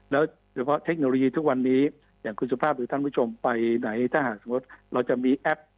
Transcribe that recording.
แล้วเฉพาะเทคโนโลยีทุกวันนี้อย่างคุณสุภาพหรือท่านผู้ชมไปไหนถ้าหากสมมติเราจะมีแอป